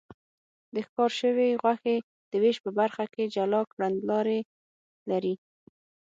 د ښکار شوې غوښې د وېش په برخه کې جلا کړنلارې لري.